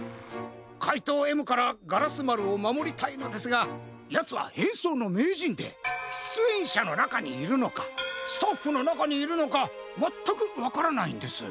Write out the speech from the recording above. かいとうＭからガラスまるをまもりたいのですがやつはへんそうのめいじんでしゅつえんしゃのなかにいるのかスタッフのなかにいるのかまったくわからないんです。